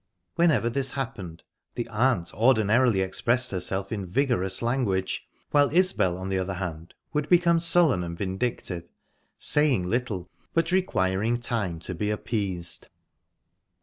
Whenever this happened, the aunt ordinarily expressed herself in vigorous language, while Isbel, on the other hand, would become sullen and vindictive, saying little, but requiring time to be appeased.